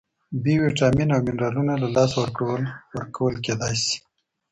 بی ویټامین او منرالونه له لاسه ورکول کېدای شي.